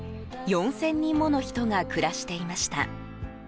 ４０００人もの人が暮らしていました。